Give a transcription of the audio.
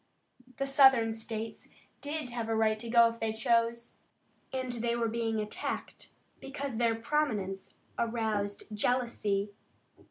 The Southern states did have a right to go if they chose, and they were being attacked because their prominence aroused jealousy.